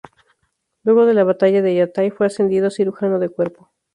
Luego de la Batalla de Yatay fue ascendido a Cirujano de Cuerpo.